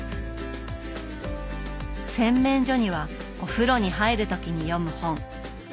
洗面所にはお風呂に入る時に読む本。